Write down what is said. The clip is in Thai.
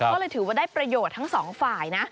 ก็เลยถือว่าได้ประโยชน์ทั้งสองฝ่ายนะ